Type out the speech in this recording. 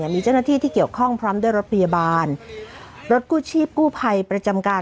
มีเจ้าหน้าที่ที่เกี่ยวข้องพร้อมด้วยรถพยาบาลรถกู้ชีพกู้ภัยประจำการ